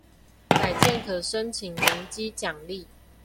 改建可申請容積獎勵